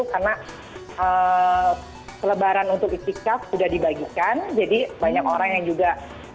karena pelebaran untuk istikaf sudah dibagikan jadi banyak orang yang juga